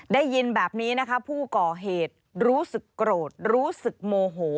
ได้ยินแบบนี้นะคะผู้ก่อเหตุรู้สึกโกรธรู้สึกโมโห